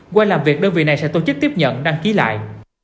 qua làm việc đơn vị này sẽ tổ chức tiếp nhận đăng ký lại